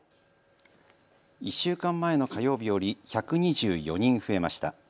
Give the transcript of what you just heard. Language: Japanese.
１週間前の火曜日より１２４人増えました。